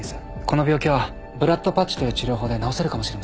この病気はブラッドパッチという治療法で治せるかもしれません。